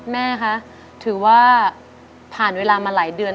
แม่คะถือว่าผ่านเวลามาหลายเดือน